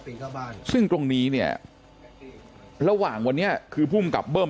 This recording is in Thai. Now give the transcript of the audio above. เข้าบ้านซึ่งตรงนี้เนี่ยระหว่างวันนี้คือภูมิกับเบิ้ม